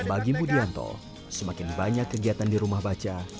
bagi ibu dianto semakin banyak kegiatan di rumah baca